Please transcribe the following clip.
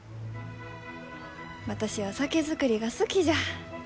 私は酒造りが好きじゃ。